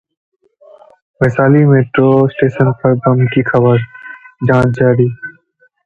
Vaishali metro station पर बम की खबर, जांच जारी